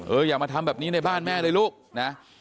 อย่ามาทำแบบนี้ในบ้านแม่เลยลูกนะ